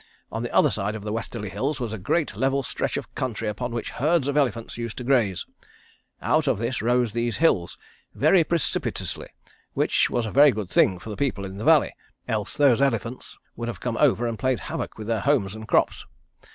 On the other side of the westerly hills was a great level stretch of country upon which herds of elephants used to graze. Out of this rose these hills, very precipitously, which was a very good thing for the people in the valley, else those elephants would have come over and played havoc with their homes and crops.